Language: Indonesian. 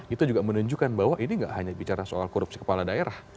itu juga menunjukkan bahwa ini nggak hanya bicara soal korupsi kepala daerah